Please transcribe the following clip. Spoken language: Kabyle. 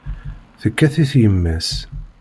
Tekkat-it yemma-s.